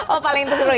oh paling itu seru ya